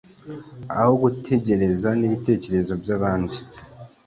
aho gutegereza n'ibitekerezo byabandi